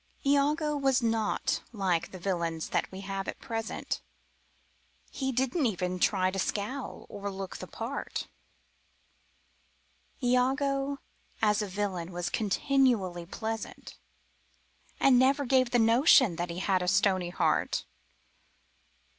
Iago was not like the villains that we have at present; He didn't even try to scowl or to look like the part. Iago as a villain was continually pleasant, And never gave the notion that he had a stony heart.